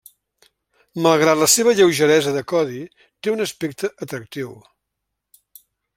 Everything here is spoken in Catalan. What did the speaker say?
Malgrat la seva lleugeresa de codi, té un aspecte atractiu.